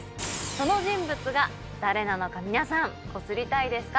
その人物が誰なのか皆さんコスりたいですか？